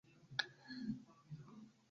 Nun ni havos ree agrablan horon por babili.